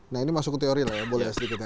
nah ini masuk ke teori lah ya boleh sedikit ya